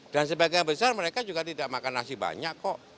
dan sebagian besar mereka juga tidak makan nasi banyak kok